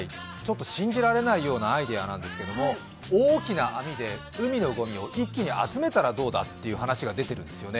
信じられないようなアイデアなんですけど大きな網で海のごみを一気に集めたらどうだという話が出ているんですよね。